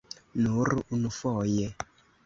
Nur unufoje.